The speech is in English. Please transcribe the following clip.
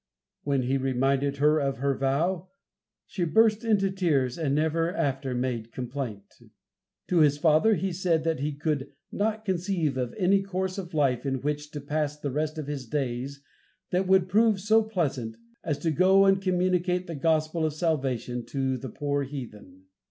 When he reminded her of her vow, she burst into tears, and never after made complaint. To his father he said that he could "not conceive of any course of life in which to pass the rest of his days, that would prove so pleasant, as to go and communicate the gospel of salvation to the poor heathen."